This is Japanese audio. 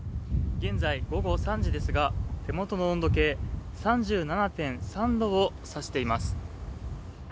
現在午後３時ですが手元の温度計、３７．３度を指しています。